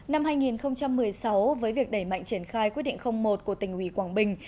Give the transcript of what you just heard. năm hai nghìn một mươi sáu với việc đẩy mạnh triển khai quyết định một của tỉnh ủy quảng bình